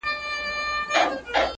سل یې نوري ورسره وې سهیلیاني-